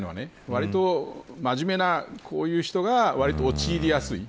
わりと、真面目なこういう人がわりと陥りやすい。